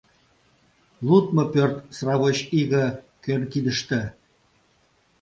— Лудмо пӧрт сравочиге кӧн кидыште?